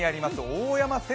大山千